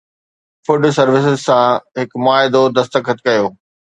food services سان هڪ معاهدو دستخط ڪيو